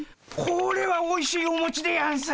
これはおいしいおもちでやんす。